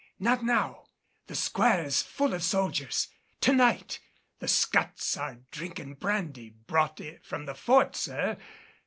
not now! The square is full of soldiers. To night! The scuts are drinking brandy brought from the Fort, sir.